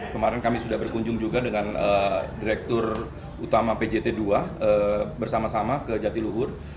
kemarin kami sudah berkunjung juga dengan direktur utama pjt dua bersama sama ke jatiluhur